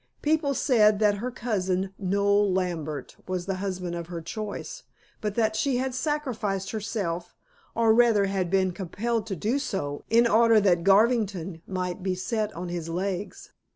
People said that her cousin Noel Lambert was the husband of her choice, but that she had sacrificed herself, or rather had been compelled to do so, in order that Garvington might be set on his legs.